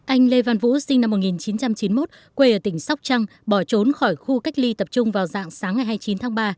anh lê văn vũ sinh năm một nghìn chín trăm chín mươi một quê ở tỉnh sóc trăng bỏ trốn khỏi khu cách ly tập trung vào dạng sáng ngày hai mươi chín tháng ba